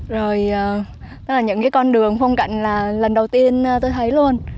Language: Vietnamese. rồi đó là những cái con đường phong cạnh là lần đầu tiên tôi thấy luôn